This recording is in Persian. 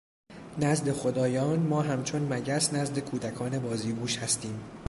نزد خدایان ما همچون مگس نزد کودکان بازیگوش هستیم.